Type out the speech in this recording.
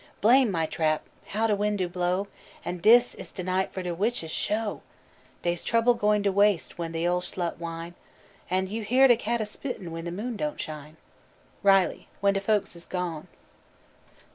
"Blame my trap! how de wind do blow; And dis is das de night for de witches, sho! Dey's trouble going to waste when de ole slut whine, An' you hear de cat a spittin' when de moon don't shine." RILEY: _When de Folks is Gone.